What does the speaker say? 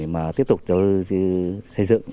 mà tiếp tục xây dựng